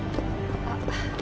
あっ。